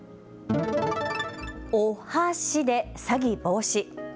おはしで詐欺防止。